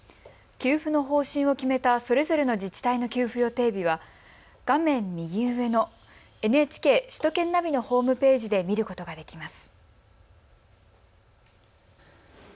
給付の方針を決めたそれぞれの自治体の給付予定日は画面右上のＮＨＫ首都圏ナビのホームページで見ることができます。